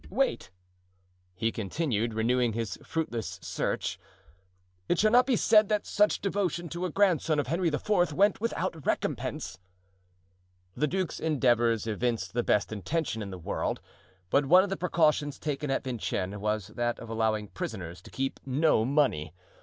"Wait," he continued, renewing his fruitless search; "it shall not be said that such devotion to a grandson of Henry IV. went without recompense." The duke's endeavors evinced the best intention in the world, but one of the precautions taken at Vincennes was that of allowing prisoners to keep no money.